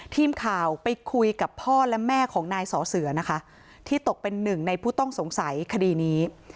ทีมข่าวไปคุยกับพ่อและแม่ของนายสอเสือนะคะที่ตกเป็นหนึ่งในผู้ต้องสงสัยคดีนี้